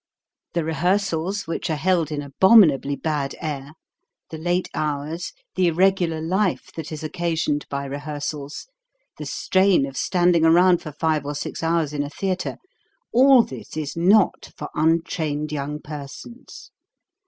The rehearsals, which are held in abominably bad air, the late hours, the irregular life that is occasioned by rehears als, the strain of standing around for five or six hours in a theatre, all this is not for untrained young persons.